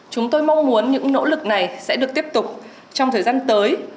chúng tôi mong muốn những nỗ lực này sẽ được tiếp tục trong thời gian tới